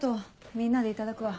みんなでいただくわ。